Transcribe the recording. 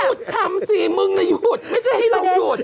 ไม่หยุดคำสิมึงอยอยุดไม่ใช่ให้เรายุด